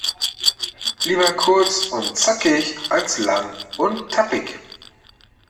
Lieber kurz und zackig, als lang und tappig..